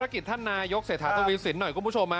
กิจท่านนายกเศรษฐาทวีสินหน่อยคุณผู้ชม